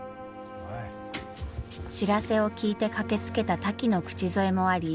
知らせを聞いて駆けつけたタキの口添えもあり